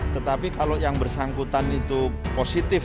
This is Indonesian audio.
tetapi kalau yang bersangkutan itu positif